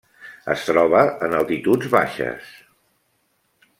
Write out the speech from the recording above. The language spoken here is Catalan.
Es troba en altituds baixes.